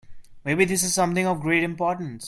Maybe this is something of great importance.